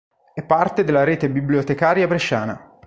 È parte della Rete bibliotecaria bresciana.